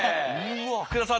福田さん